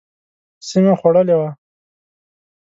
سیمه خوړلې وه.